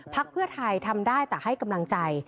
เพื่อไทยทำได้แต่ให้กำลังใจ